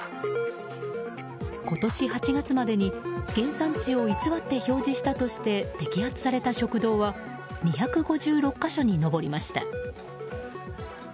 今年８月までに原産地を偽って表示したとして摘発された食堂は２５６か所に上りました。